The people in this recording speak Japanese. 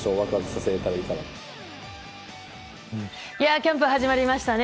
キャンプが始まりましたね。